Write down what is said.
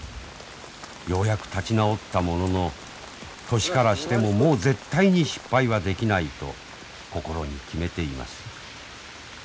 ようやく立ち直ったものの年からしてももう絶対に失敗はできないと心に決めています。